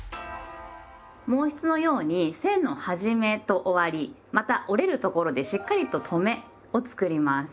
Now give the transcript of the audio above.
毛筆のように線の始めと終わりまた折れるところでしっかりと「とめ」を作ります。